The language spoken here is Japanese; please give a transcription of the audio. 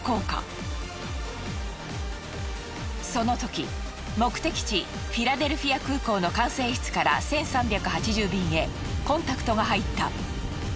そのとき目的地フィラデルフィア空港の管制室から１３８０便へコンタクトが入った。